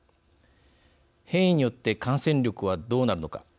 変異によって感染力はどうなるのか。